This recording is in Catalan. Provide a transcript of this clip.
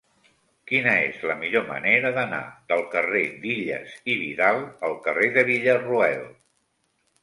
Quina és la millor manera d'anar del carrer d'Illas i Vidal al carrer de Villarroel?